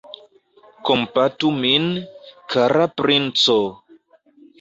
Kompatu min, kara princo!